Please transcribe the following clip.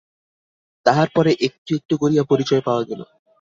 তাহার পরে একটু একটু করিয়া পরিচয় পাওয়া গেল।